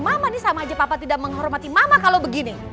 mama nih sama aja papa tidak menghormati mama kalau begini